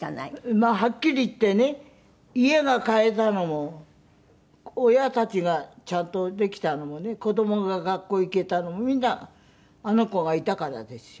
まあはっきり言ってね家が買えたのも親たちがちゃんとできたのもね子供が学校行けたのもみんなあの子がいたからですよ。